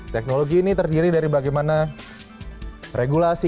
teknologi ini terdiri dari bagaimana regulasi